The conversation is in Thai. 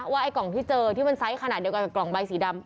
ไอ้กล่องที่เจอที่มันไซส์ขนาดเดียวกันกับกล่องใบสีดำ